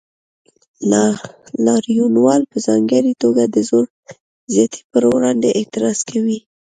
لاریونوال په ځانګړې توګه د زور زیاتي پر وړاندې اعتراض کوي.